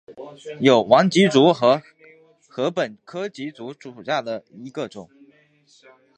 有芒筱竹为禾本科筱竹属下的一个种。